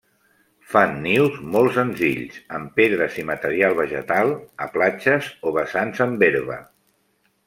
Fan nius molt senzills, amb pedres i material vegetal, a platges o vessants amb herba.